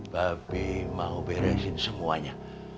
bapak mau beresin semuanya